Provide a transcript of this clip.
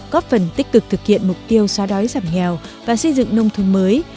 góp phần tích cực thực hiện mục tiêu xóa đói giảm nghèo và xây dựng nông thôn mới